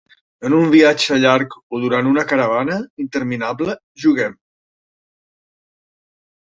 En un viatge llarg o durant una caravana interminable, juguem.